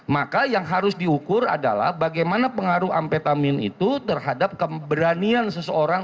maka yang harus diukur adalah bagaimana pengaruh ampetamin itu terhadap keberanian seseorang